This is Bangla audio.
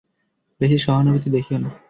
বেশি সহানুভূতি দেখিও না।